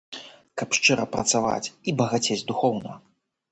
Каб шчыра працаваць і багацець духоўна.